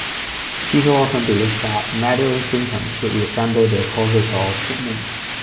People often believe that medical symptoms should resemble their causes or treatments.